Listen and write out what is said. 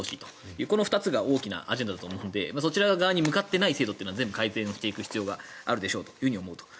この２つが大きなアジェンダだと思うのでそちらに向かっていない制度は全部、改善していく必要があるでしょうと思うと。